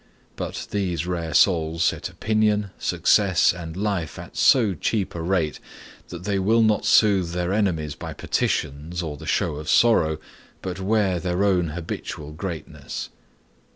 But these rare souls set opinion, success, and life at so cheap a rate that they will not soothe their enemies by petitions, or the show of sorrow, but wear their own habitual greatness.